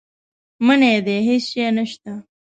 منی دی هېڅ شی نه شته.